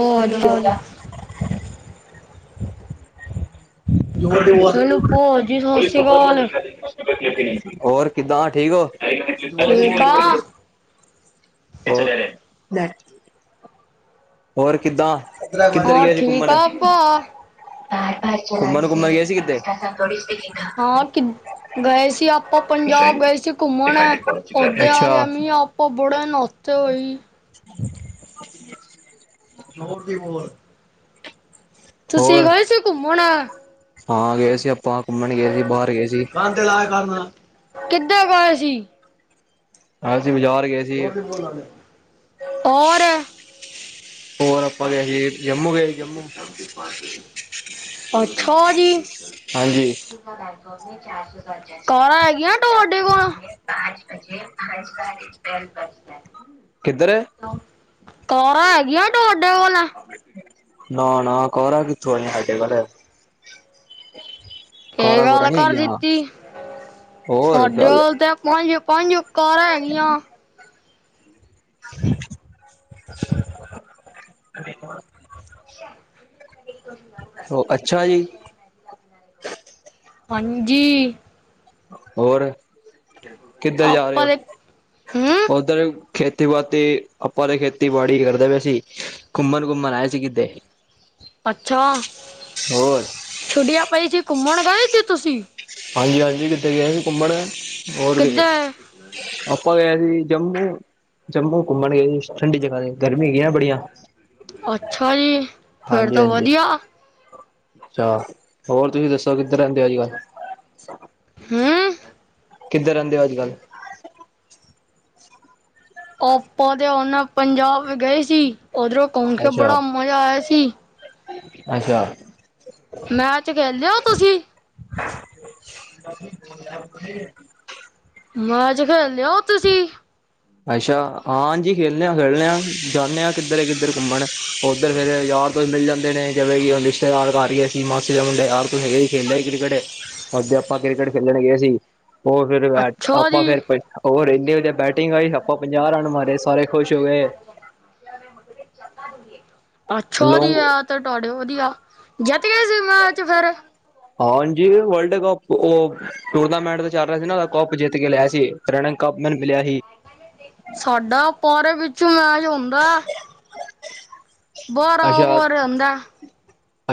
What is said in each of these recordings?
ਹੋਰ ਹੁਣ ਤੁਹਾਨੂੰ ਭੋਜ ਜੀ ਸਤਿ ਸ਼੍ਰੀ [unintelligible] ਹੋਰ ਕਿਦਾਂ ਠੀਕ ਹੋ ਅਕਾਲ ਬੱਸ ਕਿੱਧਰ ਹੋਰ ਗਏ ਸੀ ਠੀਕ ਘੁੰਮਣ ਆ ਪਾ ਘੁੰਮਣ ਘੁੰਮਣ ਗਏ ਸੀ ਕਿਤੇ ਹਾਂ ਕਿ ਗਏ ਸੀ ਆਪੋ ਪੰਜਾਬ ਗਏ ਸੀ ਘੁੰਮਣ ਓਦੇ ਆ ਅੱਛਾ ਗਿਆ ਮੀ ਆਪੋ ਬੁੜਨ ਤੋੜੀ ਹਠੀ [unintelligible] ਜ਼ੋਰ ਦੀ ਬੋਲ ਹੋਰ ਤੁਸੀਂ ਗਏ ਸੀ ਘੁੰਮਣ ਹਾਂ ਗਏ ਸੀ ਆਪਾਂ ਘੁੰਮਣ ਗਏ ਸੀ ਬਾਹਰ ਗਏ ਸੀ ਕੰ ਤੇ ਲਾਇਆ ਕਂੰ ਕਿਧਰ ਗਏ ਸੀ ਹਾਂ ਅਸੀਂ ਬਜ਼ਾਰ ਗਏ ਸੀ ਹੋਰ ਹੋਰ ਆਪਾਂ ਗਏ ਸੀ ਜੰਮੂ ਗਏ ਸੀ ਜੰਮੂ ਅਛਾ ਜੀ ਹਾਂਜੀ ਕਾਰਾਂ ਹੈਗੀਆਂ ਤੁਹਾਡੇ ਕੋਲ ਕਿੱਧਰ ਕਾਰਾਂ ਹੈਗੀਆਂ ਤੁਹਾਡੇ ਕੋਲ ਨਾ ਨਾ ਕਾਰਾਂ ਕਿੱਥੋਂ ਆਈਆ ਸਾਡੇ ਕੋਲ ਇਹ ਕਾਰਾਂ ਕੂਰਾਂ ਗੱਲ ਨੀ ਕਰ ਹੈਗੀਆਂ ਦਿੱਤੀ ਹੋਰ ਸਾਡੇ ਗੱਲ ਕੋਲ ਤੇ ਪੰਜ ਪੰਜ ਕਾਰਾਂ ਹੈਗੀਆਂ ਅ ਉਹ ਅੱਛਾ ਜੀ ਪੰਜੀ ਹੋਰ ਕਿੱਧਰ ਜਾ ਰਹੇ ਆਪਾਂ ਦੇ ਹੂੰ ਹੋ ਉਧਰ ਖੇਤੀਬਾਤੀ ਆਪਾਂ ਤਾਂ ਖੇਤੀਬਾੜੀ ਕਰਦੇ ਪਏ ਸੀ ਘੁੰਮਣ ਘੁੰਮਣ ਆਏ ਸੀ ਕਿਤੇ ਅੱਛਾ ਹੋਰ ਛੁਟੀਆਂ ਪਈ ਸੀ ਘੁੰਮਣ ਗਏ ਸੀ ਤੁਸੀਂ ਹਾਂਜੀ- ਹਾਂਜੀ ਕਿੱਥੇ ਗਏ ਘੁੰਮਣ ਹੋਰ ਕਿੱਧਰ ਆਪਾ ਗਏ ਸੀ ਜੰਮੂ ਜੰਮੂ ਘੁੰਮਣ ਗਏ ਸੀ ਠੰਡੀ ਜਗ੍ਹਾ ਤੇ ਗਰਮੀ ਹੈਗੀ ਆ ਬੜੀਆਂ। ਅੱਛਾ ਜੀ! ਫੇਰ ਹਾਂਜੀ ਤਾਂ ਹਾਂਜੀ ਵਧੀਆ। ਅੱਛਾ ਹੋਰ ਤੁਸੀਂ ਦੱਸੋ ਕਿੱਧਰ ਰਹਿੰਦੇ ਹੋ ਅਜ ਕੱਲ੍ਹ ਹਮ - ਕਿੱਧਰ ਰੇਂਦੇ ਹੋ ਅੱਜ ਕੱਲ? ਆਪਾ ਦੇ ਉਹਨਾਂ ਪੰਜਾਬ ਗਏ ਸੀ ਉਧਰੋ ਘੁੰਮ ਕੇ ਅੱਛਾ ਬੜਾ ਮਜਾ ਆਇਆ ਸੀ। ਅੱਛਾ- ਮੈਚ ਖੇਲਦੇ ਹੋ ਤੁਸੀਂ? [inaudible] ਮੈਚ ਖੇਲਦੇ ਹੋ ਤੁਸੀਂ? ਅੱਛਾ ਹਾਂਜੀ ਖੇਲਦੇ ਖੇਲਦੇ ਆ ਜਾਂਦੇ ਹਾਂ ਕਿੱਧਰ -ਕਿੱਧਰ ਘੁੰਮਣ ਉੱਧਰ ਫਿਰ ਯਾਰ ਕੋਈ ਮਿਲ ਜਾਂਦੇ ਨੇ ਜਿਵੇਂ ਕਿ ਹੁਨ ਰਿਸ਼ਤੇਦਾਰ ਘਰ ਹੀ ਐਸੀ ਅਸੀ ਮਾਸੀ ਦੇ ਮੁੰਡੇ ਯਾਰ ਹੀ ਖੇਡਦੇ ਹੀ ਕ੍ਰਿਕਟ। ਅੱਜ ਆਪਾਂ ਕ੍ਰਿਕਟ ਖੇਲਣ ਗਏ ਸੀ ਉਹ ਫਿਰ ਅੱਛਾ ਆਪਾਂ ਜੀ ਫਿਰ ਉਹ ਰਹਿੰਨਦੇ ਹੋਦੇ ਬੈਟ ਤਿਨ ਵਾਰੀ ਆਪਾਂ ਪੰਜਾਹ ਰਨ ਮਾਰੇ ਸਾਰੇ ਖੁਸ਼ ਹੋ ਗਏ। ਅੱਛਾ ਜੀ ਲੋਂਗ ਟੋੜਿਓ [inaudible] ਵਧੀਆ ਜਿੱਤ ਗਏ ਸੀ ਮੈਚ ਫਿਰ? ਹਾਂਜੀ ਵਰਲਡ ਕੱਪ ਉਹ ਟੂਰਨਾਮੈਂਟ ਤੇ ਚੱਲ ਰਿਆ ਸੀ ਨਾ ਓਹਦਾ ਕੱਪ ਜਿੱਤ ਲਿਆ ਸੀ ਤਰੇਨਿੰਗ ਕੱਪ ਮੈਨੂੰ ਮਿਲਿਆ ਸੀ। ਸਾਡਾ ਪਾਰਕ ਵਿੱਚ ਮੈਚ ਹੁੰਦਾਹੈ। ਬਾਰ ਅੱਛਾ ਬਾਰ ਆਂਦਾ। [inaudible]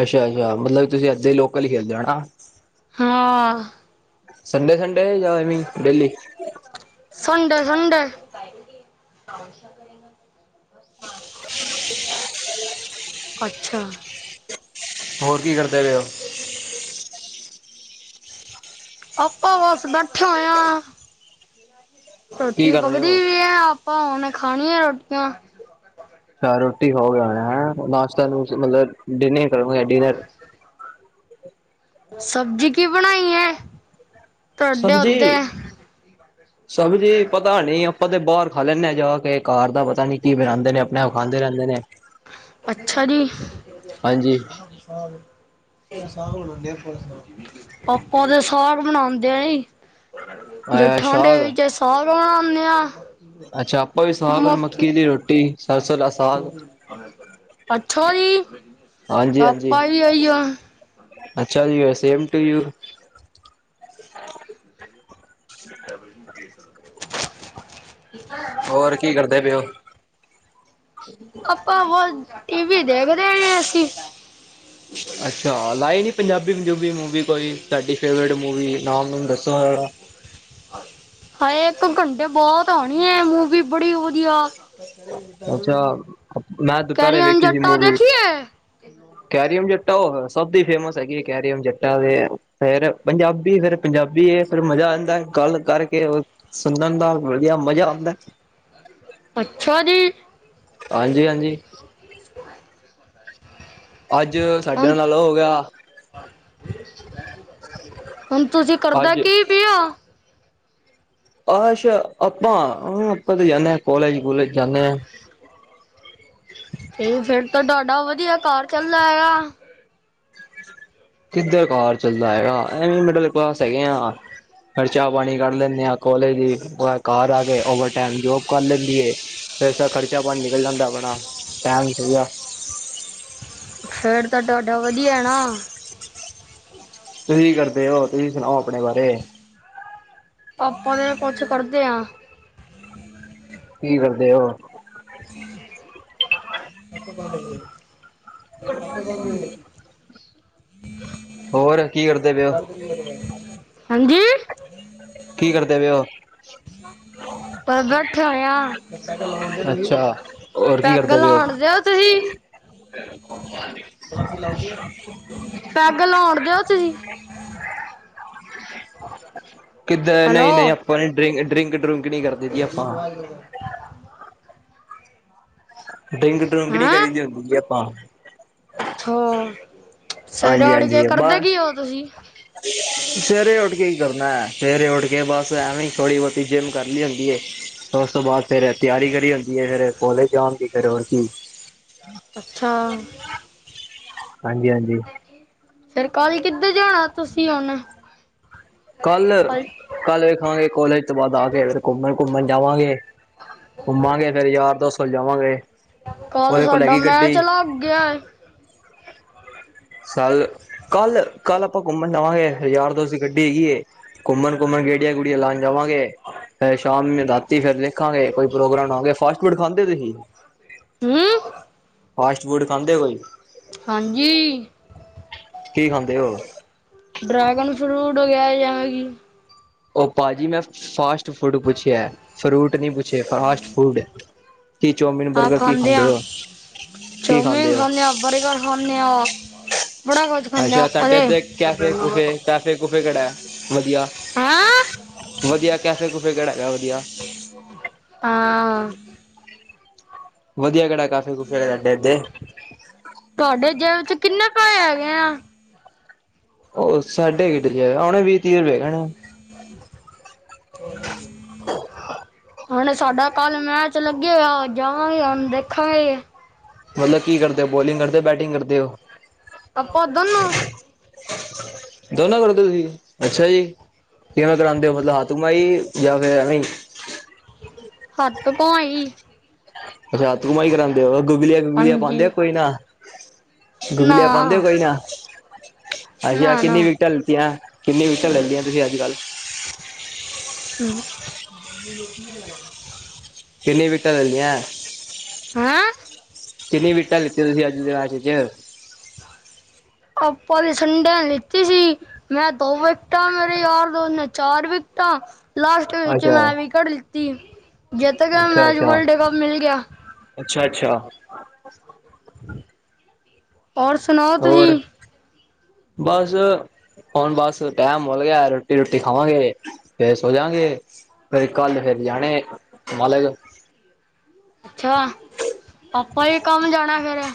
ਅੱਛਾ- ਅੱਛਾ ਮਤਲਬ ਤੁਸੀਂ ਇੱਥੇ ਲੋਕਲ ਹੀ ਖੇਲਦੇ ਹੋ ਨਾ? ਹਾਂ ਸੰਡੇ ਸੰਡੇ ਜਾ ਐਵੇ ਹੀ ਡੇਲੀ? ਸੰਡੇ ਸੰਡੇ [unintelligible] [inaudible] ਅੱਛਾ ਹੋਰ ਕੀ ਕਰਦੇ ਪਏ ਹੋ? ਆਪਾਂ ਬਸ ਬੈਠੇ ਹੋਏ ਆ। ਕੀ ਰੋਟੀ ਕਰ ਰਹੇ ਪਕਦੀ ਹੋ? ਪਈ ਹੈ ਆਪਾਂ ਉਹਨ ਖਾਣੀ ਹੈ ਰੋਟੀਆਂ। ਆ ਰੋਟੀ ਖਾਓਗੇ ਹੈਂ ਨਾਸ਼ਤਾ ਨੂੰਸ਼ ਮਤਲਬ ਡਿਨਰ ਕਰਗੇ ਡਿਨਰ? ਸਬਜ਼ੀ ਕੀ ਬਣਾਈ ਹੈ? ਤੁਹਾਡੇ ਉੱਤੇ ਸਬਜ਼ੀ ਸਬਜ਼ੀ ਪਤਾ ਨੀ ਆਪਾਂ ਤੇ ਬਾਹਰ ਖਾ ਲੈਂਦੇ ਹਾਂ ਜਾ ਕੇ ਘਰ ਦਾ ਪਤਾ ਨੀ ਕੀ ਬਣਾਂਦੇ ਨੇ ਆਪਣੇ ਆਪ ਖਾਂਦੇ ਰੈਂਦੇ ਨੇ। ਅੱਛਾ ਜੀ ਹਾਂਜੀ ਆਪਾ ਤੇ ਸਾਗ ਬਣਆਂਦੇ ਆ ਜੀ। ਜੇ ਅ ਠੰਡੇ ਸਾਗ ਵਿੱਚ ਸਾਗ ਬਣਾਂਦੇ ਆ। ਅੱਛਾ ਆਪਾਂ ਵੀ ਸਾਗ ਔਰ ਮੱਕੀ ਦੀ ਰੋਟੀ ਸਰਸੋ ਦਾ ਸਾਗ ਅੱਛਾ ਜੀ ਹਾਂਜੀ ਹਾਂਜੀ ਆਪਾਂ ਵੀ ਏਹੀ ਓ ਅੱਛਾ ਜੀ ਉ ਸੇਮ ਟੂ ਯੂ। [unintelligible] [inaudible] ਓਰ ਕੀ ਕਰਦੇ ਪਏ ਓ? ਆਪਾਂ ਬਸ ਟੀ ਵੀ ਦੇਖਦੇ ਯਾ ਅਸੀਂ। ਅੱਛਾ ਲਾਏ ਨੀ ਪੰਜਾਬੀ ਪੂੰਜੂਬੀ ਮੂਵੀ? ਕੋਈ ਤਾਡੀ ਫੇਵਰੇਟ ਮੂਵੀ ਨਾਮ ਨੂਮ ਦੱਸੋ ਜਰਾ ਹਾਏ ਏਕ ਘੰਟੇ ਬਾਦ ਆਣੀ ਹੈ ਮੂਵੀ ਬੜੀ ਵਧੀਆ। ਅੱਛਾ, ਮੈਂ ਦੁਪਹਿਰੇ ਕੈਰੀਓਨ ਜੱਟਾ ਦੇਖੀਏ? ਕੈਰੀਓਨ ਜੱਟਾ ਉ ਹੋਏ ਸਭ ਦੀ ਫੇਮਸ ਹੈਗੀ ਕੈਰੀਓਨ ਜੱਟਾ ਤੇ ਫਿਰ ਪੰਜਾਬੀ ਫਿਰ ਪੰਜਾਬੀ ਏ ਫਿਰ ਮਜ਼ਾ ਆਂਦਾ ਏ ਗੱਲ ਕਰਕੇ ਸੁਣਨ ਦਾ ਵਧੀਆ ਮਜ਼ਾ ਆਂਦਾ ਏ। ਅੱਛਾ ਜੀ! ਹਾਂਜੀ ਹਾਂਜੀ। [inaudible] ਅੱਜ ਹੁਣ ਸਾਡੇ ਨਾਲ ਓ ਹੋਗਿਆ। ਹੁਣ ਤੁਸੀਂ ਕਰਦਾ ਅੱਜ ਕੀ ਪੇਓ। ਅੱਛਾ। ਆਪਾਂ-ਆਪਾਂ ਤੇ ਜਾਂਦੇ ਹਾਂ। ਕਾਲਜ-ਕੂਲੇਜ ਜਾਂਦੇ ਹਾਂ। ਤੇ ਫਿਰ ਤਾਂ ਤੁਹਾਡਾ ਵਧੀਆ ਘਾਰ ਚੱਲਦਾ ਹੈਗਾ। ਕਿੱਧਰ ਘਾਰ ਚੱਲਦਾ ਹੈਗਾ। ਐਵੇਂ ਮਿਡਲ ਕਲਾਸ ਹੈਗੇ ਆ। ਖਰਚਾ ਪਾਣੀ ਕੱਢ ਲੈਂਦੇ ਆਂ। ਕਾਲਜ ਘਰ ਆ ਕੇ ਓਵਰ ਟਾਈਮ ਜੋਬ ਕਰ ਲੈਂਦੀ ਏ। ਫਿਰ ਤਾਂ ਖਰਚਾ ਪਾਣੀ ਨਿਕਲ ਜਾਂਦਾ ਆਪਣਾ ਟਾਈਮ ਪੂਰਾ। ਫਿਰ ਤਾਂ ਤੁਹਾਡਾ ਵਧੀਆ ਨਾ। ਤੁਸੀਂ ਕਰਦੇ ਹੋ, ਤੁਸੀਂ ਸੁਣਾਓ ਆਪਣੇ ਬਾਰੇ। ਆਪਾ ਤਾ ਕੁੱਛ ਕਰਦੇ ਆ। ਕੀ ਕਰਦੇ ਹੋ। [unintelligible] ਹੋਰ ਕੀ ਕਰਦੇ ਪਏ ਹੋ ਹਾਂਜੀ। ਕੀ ਕਰਦੇ ਪਏ ਓ। [unintelligible] ਪਰ ਬੈਠੇ ਹੋਆ। ਪੈਗਲ ਲਾਓ ਅੱਛਾ ਹੋਰ ਕੀ ਕਰਦੇ ਪਏ ਹੋ? ਦਿਓ ਤੁਸੀਂ ਪੈਗ ਲਾਓ ਦਿਓ ਤੁਸੀਂ ਕਿੱਦੇ ਹੈਲੋ ਨਹੀਂ- ਨਹੀਂ ਆਪਾਂ ਡਿੰ-ਡਰਿੰਕ -ਡਰਕ ਨਹੀ ਕਰਦੇ। ਜੀ ਆਪਾਂ। [inaudible] ਡਰਿੰਗ- ਡਰੂੰਗ ਨਹੀਂ ਹਾਂ ਕਰੀ ਦੀ ਹੁੰਦੀ ਜ ਆਪਾਂ। ਅੱਛਾ ਸਵੇਰੇ ਹਾਂਜੀ ਉਠ ਕੇ ਹਾਂਜੀ ਕਰਦੇ ਬਸ ਕੀ ਹੋ ਤੁਸੀਂ? ਸਵੇਰੇ ਉੱਠ ਕੇ ਹੀ ਕਰਨਾ। ਸਵੇਰੇ ਉੱਠ ਕੇ ਬਸ ਐਵੇਂ, ਥੋੜੀ ਬਹੁਤੀ ਜਿੰਮ ਕਰਨੀ ਹੁੰਦੀ ਐ। ਉਸ ਤੋਂ ਬਾਅਦ ਫੇਰ ਤਿਆਰੀ ਕਰੀ ਹੁੰਦੀ ਹੈ। ਫੇਰ ਕੋਲੇਜ ਜਾਣ ਦੀ, ਫਰ ਹੋਰ ਕੀ ਅੱਛਾ। ਹਾਂਜੀ ਹਾਂਜੀ ਫਿਰ ਕੱਲ ਕਿੱਧਰ ਜਾਣਾ ਤੁਸੀਂ ਹੁਣ? ਕੱਲ- ਕੱਲ ਵੇਖਾਂਗੇ ਕੋਲੇਜ ਤੋਂ ਬਾਅਦ ਆ ਕੇ, ਫਿਰ ਘੁੰਮਣ- ਘੁੰਮਣ ਜਾਵਾਂਗੇ। ਘੁੰਮਾਂਗੇ, ਫੇਰ ਯਾਰ ਦੋਸਤ ਕੋਲ ਜਾਵਾਂਗੇ। ਕੱਲ ਉਹਦੇ ਕੋਲ ਸਾਡਾ, ਹੈਗੀ ਮੈਂ ਗੱਡੀ ਚਲਾ ਗਿਆ। ਕੱਲ- ਕੱਲ -ਕੱਲ ਆਪਾਂ ਘੁੰਮਣ ਜਾਵਾਂਗੇ। ਯਾਰ ਦੋਸਤ ਗੱਡੀ ਹੈਗੀ ਹੈ। ਘੁੰਮਣ- ਘੁੰਮਣ ਗੇੜੀਆਂ- ਗੁੜੀਆਂ ਲਾਉਣ ਜਾਵਾਂਗੇ। ਫ ਸ਼ਾਮ ਰਾਤੀ ਫੇਰ ਦੇਖਾਂਗੇ। ਕੋਈ ਪ੍ਰੋਗਰਾਮ ਆਵਾਂਗੇ, ਫਾਸਟ- ਫੂਡ ਖਾਂਦੇ ਤੁਸੀਂ? ਹੂੰ ਫਾਸਟ- ਫੂਡ ਖਾਂਦੇ ਕੋਈ ਹਾਂਜੀ ਕੀ ਖਾਂਦੇ ਹੋ। ਡਰੈਗਨ -ਫਰੂਟ ਵਗਰਾ ਜਾ ਹੋਰ ਕੀ ਉਹ ਭਾਜੀ। ਮੈਂ ਫਾਸਟ-ਫੂਡ ਪੁੱਛਿਆ ਫਰੂਟ ਨ ਪੁੱਛਿਆ। ਫਾਸਟ ਫੂਡ ਕੀ ਚੋਮਿਨ, ਆਹ ਬਰਗਰ ਕੀ ਖਾਂਦੇ ਆ ਹੋ, ਕੀ ਚੌਮਿਨ ਖਾਂਦੇ ਹੋ? ਆ ਬਰਗਰ ਖਾਂਦੇ ਆ। ਬੜਾ ਕੁਝ ਖਾਂਦੇ ਆ ਅੱਛਾ। ਤਾਡੇ ਉਹਦੇ ਇੱੱਥੂ ਕੈਫੇ- ਕੁਫੇ -ਕੈਫੇ- ਕੁਫੇ ਕਿਹੜਾ ਵਧੀਆ। ਹੈਂ ਵਧੀਆ ਕੈਫੇ- ਕੂਫੇ ਕਿਹੜਾ ਹੈਗਾ ਵਧੀਆ। ਹਾਂ। ਵਧੀਆ ਕਿਹੜਾ ਕਾਫੇ-ਕੁਫੈ ਤਾਡੇ ਇੱਥੇ? ਤੁਹਾਡੇ ਜੇਬ ਚ ਕਿੰਨੇ ਕੁਏ ਹੈਗੇ ਆ। ਉਹ ਸਾਢੇ ਕਿੱਥੇ, ਹੁਣੇ ਵੀਹ- ਤੀਹ ਰੁਪਏ ਹੈਣਾ। [unintelligible] ਹੁਣ ਸਾਡਾ ਕੱਲ ਮੈਚ ਲੱਗੇਗਾ ਜਾਵਾਂਗੇ ਹੁਣ ਦੇਖਾਂਗੇ। ਮਤਲਬ ਕੀ ਕਰਦੇ ਹੋ ਬੋਲਿੰਗ ਕਰਦੇ ਬੈਟਿੰਗ ਕਰਦੇ ਹੋ? ਤਪ ਦੋਨੋ। ਦੋਨੋ ਕਰਦੇ ਤੁਸੀਂ ਅੱਛਾ ਜੀ। ਕਿਵੇਂ ਕਰਾਉਂਦੇ ਹੋ ਮਤਲਬ ਹੱਥ ਮਾਈ ਜਾਂ ਫਿਰ ਐਵੇਂ ਹੀ। ਹੱਥ ਧੋ ਆਈ। ਅੱਛਾ। ਹੱਥ ਧੋ ਆਈ ਕਰਾਉਦੇ ਓ, ਗੁਗਲਆ- ਗੁਗਲਆ ਹਾਂਜੀ ਪਾਉਂਦੇ ਹੋ ਕੋਈ ਨਾ। ਨਾ ਗੁਗਲੀਆ ਪਾਉਂਦੇ ਪਈ ਨਾ। ਅੱਛਾ ਨਾ ਕਿੰਨੀ ਨਾ ਵਿਕਟਾਂ ਲਿੱਤੀਆਂ ਕਿੰਨੀਆਂ ਵਿਕਟਾਂ ਲੈ ਲਈਆਂ ਤੁਸੀਂ ਅੱਜ ਕੱਲ੍ਹ। [unintelligible] ਕਿੰਨੀਆਂ ਵਿਕਟਾਂ ਲੈ ਲਈਆਂ? ਹੈਂ ਕਿੰਨੀਆਂ ਵਿਕਟਾਂ ਲਿੱਤੀਆਂ ਤੁਸੀਂ ਅੱਜ ਦੇ ਰਾਜ ਚ ਆਪਾਂ ਦੀ ਸੰਡੇ ਲਿੱਤੀ ਸੀ। ਮੈਂ ਦੋ ਵਿਕਟਾਂ ਮੇਰੇ ਯਾਰ ਦੋਸਤ ਨੇ ਚਾਰ ਵਿਕਟਾਂ। ਲਾਸਟ ਵਿੱਚ ਅੱਛਾ ਮੈਂ ਵਿਕਟ ਲਿੱਤੀ ਜਿੱਤ ਗਏ ਅੱਛਾ ਮੈਚ ਅੱਛਾ ਵਰਲਡ ਕੱਪ ਮਿਲ ਗਿਆ। ਅੱਛਾ ਅੱਛਾ [inaudible] ਔਰ। ਸੁਣਾਓ ਤੁਸੀਂ ਹੋਰ ਬਸ ਹੁਣ ਬਸ ਟੈਮ ਮਲ ਗਿਆ ਰੋਟੀ ਰੋਟੀ ਖਾਵਾਂਗੇ ਫਿਰ ਸੋ ਜਾਗੇ। ਫਿਰ ਕੱਲ ਫੇਰ ਜਾਣੇ ਹਲੇ। ਅੱਛਾ ਆਪਾ ਵੀ ਕੰਮ ਜਾਣਾ ਸਵੇਰੇ।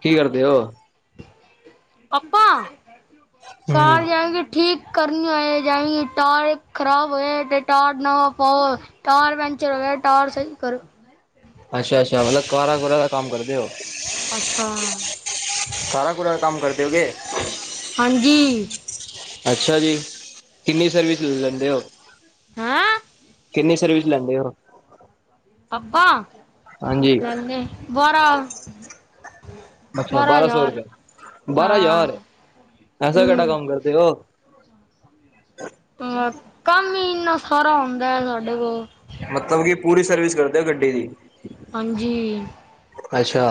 ਕੀ ਕਰਦੇ ਹੋ? ਆਪਾ ਘਰ ਹਮ ਜਾਏ ਕੇ ਠੀਕ। ਕਰਨ ਹੋਏ ਜਾ ਟੋਇਆ ਖ਼ਰਾਬ ਹੋਏ ਤੇ ਤਾਰ ਨਾਂ ਪਾਓ। ਟਾਇਰ ਪੈਂਚਰ ਹੋ ਗਿਆ ਟਾਇਰ ਸਹੀ ਕਰੋ। ਅੱਛਾ, ਅੱਛਾ ਮਤਲਬ ਕਾਰਾਂ ਕੂਰਾ ਦਾ ਕੰਮ ਕਰਦੇ ਹੋ? ਕਾਰਾਂ ਕੋਰਾ ਦਾ ਕੰਮ ਕਰਦੇ ਹੋ ਕੇ? ਹਾਂਜੀ ਅੱਛਾ ਜੀ ਕਿੰਨੀ ਸਰਵਿਸ ਲੈਂਦੇ ਹੋ? ਹਾਂ ਕਿੰਨੀ ਸਰਵਿਸ ਲੈਂਦੇ ਹੋ? ਆਪਾਂ? ਹਾਂਜੀ ਬਾਂਰਾਂ। ਅੱਛਾ ਬਾਰਾਂ ਸੌ ਰੁਪਏ ਬਾਰਾਂ ਹਾਂ ਹਜ਼ਾਰ ਐਸਾ ਕਿਹੜਾ ਹੂੰ ਕੰਮ ਕਰਦੇ ਹੋ। ਹ ਕੰਮ ਹੀ ਇੰਨਾ ਸਾਰਾ ਹੁੰਂਦਾ ਹੈ ਸਾਡੇ ਕੋਲ। ਮਤਲਬ ਕਿ ਪੂਰੀ ਸਰਵਿਸ ਕਰਦੇ ਹੋ ਗੱਡੀ ਦੀ। ਹਾਂਜੀ ਅੱਛਾ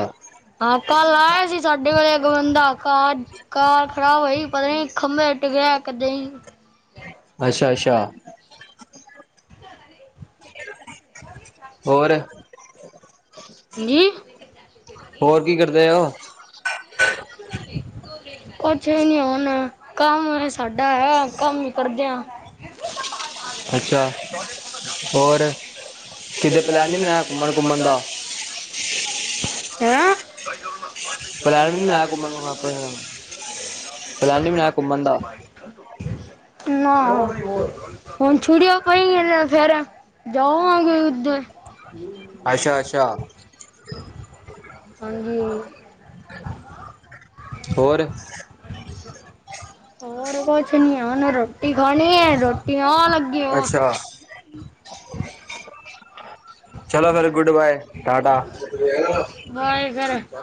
ਹਾਂ ਕੱਲ ਆਏ ਸੀ ਸਾਡੇ ਕੋਲੇ ਇੱਕ ਬੰਦਾ ਕਾਰ। ਕਾਰ ਖਰਾਬ ਹੋਈ ਪਤਾ ਨੀ ਖੰਭੇ ਟਗਿਆ ਕੱਦੇ ਹੀ। ਅੱਛਾ ਅੱਛਾ ਸਾਰੇ ਹੋਰ ਜੀ ਹੋਰ ਕੀ ਕਰਦੇ ਔ? ਕੁਛ ਹੀ ਨਹੀਂ ਹੁਣ ਕੰਮ ਵ। ਸਾਡਾ ਹੈ ਕੰਮ ਕਰਦੇ ਆ। ਅੱਛਾ ਹੋਰ ਕਿਤੇ ਪਲੈਨ ਨੀ ਬਣਾਇਆ ਘੁੰਮਣ ਘੁੰਮਣ ਦਾ। ਹੈਂ? ਪਲੈਨ ਵੀ ਨੀ ਬਣਾਇਆ ਘੁੰਮਣ ਪਲੈਨ ਨੀ ਬਣਾਇਆ ਘੁੰਮਣ ਦਾ ਨਾਂ। ਹੁਣ ਛੁੱਟੀਆਂ ਪੈਣਗੀਆਂ ਫੇਰ ਜਾਵਾਂਗੇ ਉਧਰ। ਅੱਛਾ ਅੱਛਾ ਹਾਂਜੀ। ਹੋਰ? ਹੋਰ ਕੁਛ ਨੀ। ਹੁਨ ਰ੍ਹੋਟੀ ਖਾਣੀ ਏ, ਰ੍ਹੋਟੀ ਆਉਣ ਲੱਗੀ ਏ, ਬਸ। ਅੱਛਾ ਚਲੋ ਫਿਰ, ਗੁੱਡ ਬਾਏ, ਟਾਟਾ। ਬਾਏ ਫਿਰ।